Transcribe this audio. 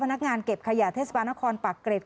พนักงานเก็บขยะเทศบาลนครปากเกร็ด